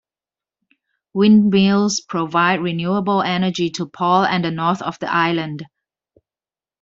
Windmills provide renewable energy to Paul and the north of the island.